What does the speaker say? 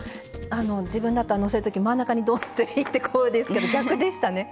あの自分だったらのせる時真ん中にどんといってこうですけど逆でしたね。